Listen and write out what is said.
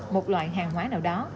một loại hàng hóa nào đó